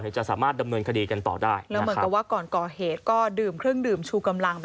คดีกันต่อได้เหมือนกันว่าก่อนขอเหตุดื่มครึ่งดื่มชูกำลัง